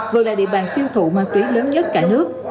vừa là địa bàn tiêu thụ ma túy lớn nhất cả nước